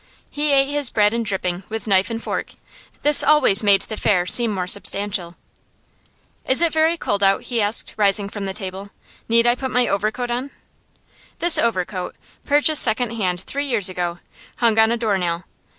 He ate his bread and dripping with knife and fork; this always made the fare seem more substantial. 'Is it very cold out?' he asked, rising from the table. 'Need I put my overcoat on?' This overcoat, purchased second hand three years ago, hung on a door nail.